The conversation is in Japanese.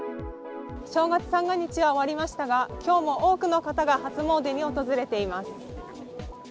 正月三が日は終わりましたが今日も多くの方が初詣に訪れています。